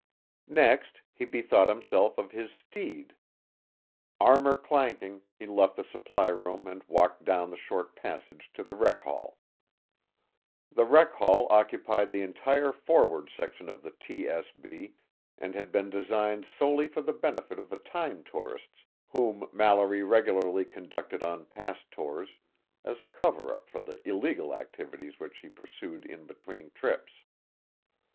Next, he bethought himself of his steed. Armor clanking, he left the supply room and walked down the short passage to the rec hall. The rec hall occupied the entire forward section of the TSB and had been designed solely for the benefit of the time tourists whom Mallory regularly conducted on past tours as a cover up for the illegal activities which he pursued in between trips.